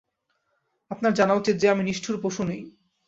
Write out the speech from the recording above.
আপনার জানা উচিত যে, আমি নিষ্ঠুর পশু নই।